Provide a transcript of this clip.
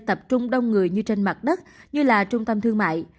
tập trung đông người như trên mặt đất như là trung tâm thương mại